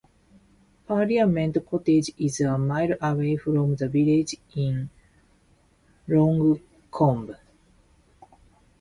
Parliament Cottage is a mile away from the village, in Longcombe.